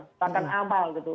gerakan amal gitu